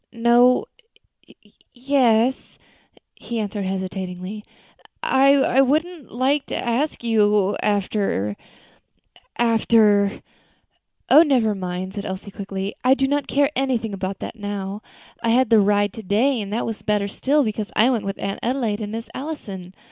"No yes " he answered hesitatingly; "I wouldn't like to ask you after after " "Oh! never mind," said Elsie, quickly; "I do not care anything about that now. I had the ride to day, and that was better still, because I went with Aunt Adelaide and Miss Allison.